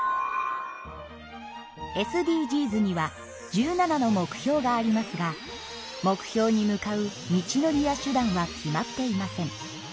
ＳＤＧｓには１７の目標がありますが目標に向かう道のりや手段は決まっていません。